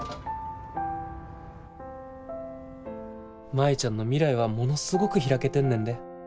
舞ちゃんの未来はものすごく開けてんねんで。